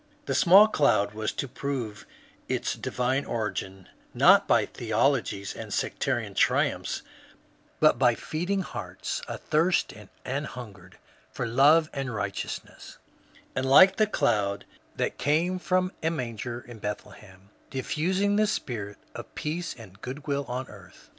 The small cloud was to prove its divine origin, not by theologies and sectarian triumphs, but by feeding hearts athirst and anhun gered for love and righteousness, and, like the cloud that came from a manger in Bethlehem, diffusing the spirit of peace and good will on earth.